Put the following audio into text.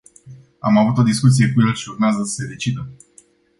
Am avut o discuție cu el și urmează să se decidă.